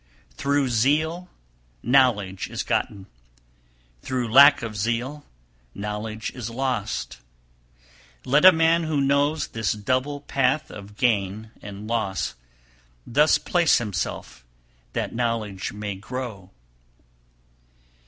282. Through zeal knowledge is gotten, through lack of zeal knowledge is lost; let a man who knows this double path of gain and loss thus place himself that knowledge may grow.